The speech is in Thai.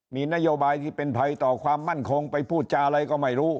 มีนโยบายที่เป็นภัยต่อความมั่นคงไปพูดจาอะไรก็ไม่รู้